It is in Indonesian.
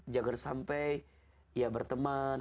jaga sampai berteman